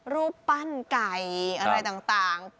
รูปปั้นไก่อะไรต่าง